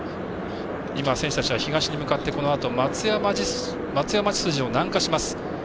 選手たちは東に向かってこのあと松屋町筋を南下します。